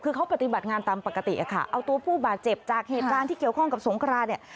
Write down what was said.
คือเขาปฏิบัติงานตามปกติอะค่ะเอาตัวผู้บาดเจ็บจากเหตุการณ์ที่เกี่ยวข้องกับสงคราเนี่ย